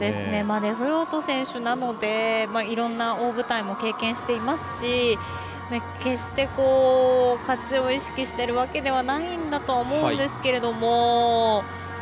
デフロート選手なのでいろんな大舞台も経験していますし決して、勝ちを意識しているわけではないんだと思うんですけれども。